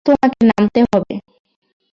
তোমাকে নামতে হবে।